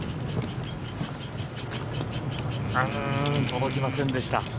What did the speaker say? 届きませんでした。